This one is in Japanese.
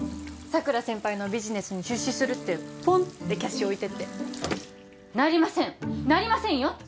桜先輩のビジネスに出資するってポンってキャッシュ置いてってなりませんなりませんよ！